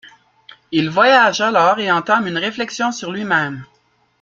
Il voyage alors, et entame une réflexion sur lui-même.